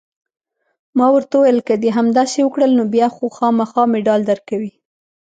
ما ورته وویل: که دې همداسې وکړل، نو بیا خو خامخا مډال درکوي.